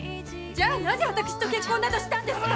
じゃあなぜ私と結婚などしたんですか？